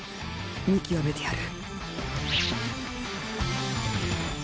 見極めてやる